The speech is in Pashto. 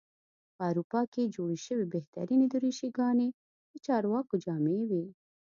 په اروپا کې جوړې شوې بهترینې دریشي ګانې د چارواکو جامې وې.